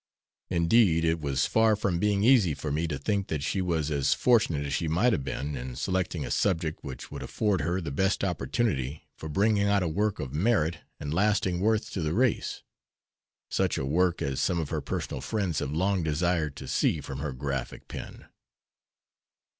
Indeed it was far from being easy for me to think that she was as fortunate as she might have been in selecting a subject which would afford her the best opportunity for bringing out a work of merit and lasting worth to the race such a work as some of her personal friends have long desired to see from her graphic pen.